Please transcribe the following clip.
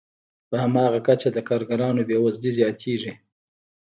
په هماغه کچه د کارګرانو بې وزلي زیاتېږي